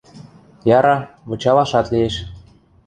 Яра, вычалашат лиэш.